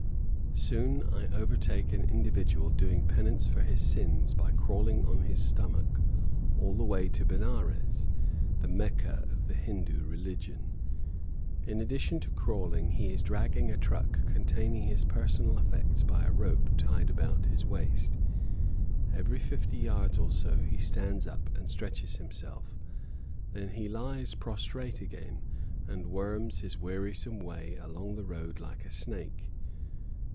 Soon I overtake an individual doing penance for his sins by crawling on his stomach all the way to Benares, the Mecca of the Hindoo religion. In addition to crawling, he is dragging a truck containing his personal effects by a rope tied about his waist. Every fifty yards or so he stands up and stretches himself; then he lies prostrate again and worms his wearisome way along the road like a snake.